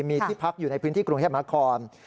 มีที่พักอยู่ในพื้นที่กรุงเทพมหานคร